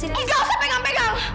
gak usah pegang pegang